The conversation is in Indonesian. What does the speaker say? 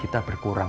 itu betul pak